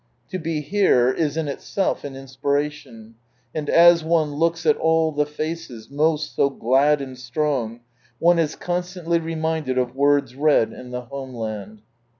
To be here, is in itself an inspiration ; and as one looks at all the faces, most so glad and strong, one is constantly reminded of words read in the homeland.